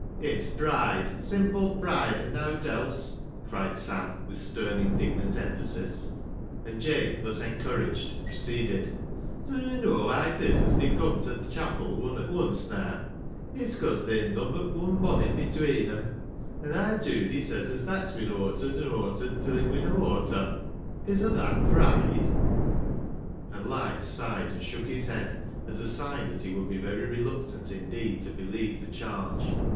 " It's pride ! sinful pride, an' nowt else," cried Sam with stern indignant emphasis, and Jabe thus encouraged, proceeded —" Dun yo' know haa it is as they cum'n ta th' chapel wun at wunce naa ? It's 'cause they'n nobbut wun bonnet between 'em. An' aar Judy says as that's bin awtered an' awtered till it winna awter. Isn't that pride?" And Lige sighed and shook his head, as a sign that he would be very reluctant indeed to believe the charge.